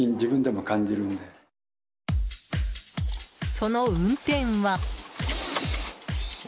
その運転は。